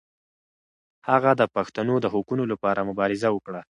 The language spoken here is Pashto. هغه د پښتنو د حقونو لپاره مبارزه وکړه.